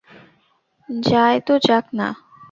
যায় তো যাক-না।